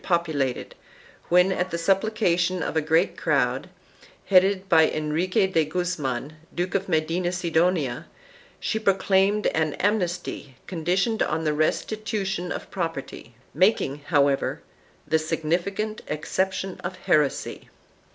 I] ROYAL JURISDICTION 25 populated when, at the supplication of a great crowd, headed by Enrique de Guzman, Duke of Medina Sidonia, she pro claimed an amnesty conditioned on the restitution of property, making, however, the significant exception of heresy.